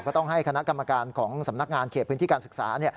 ต้องให้คณะกรรมการของสำนักงานเขตพื้นที่การศึกษา